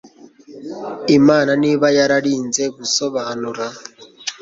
imana ntiba yararinze gusobanura